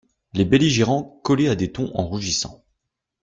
Les belligérants collaient à des thons en rougissant.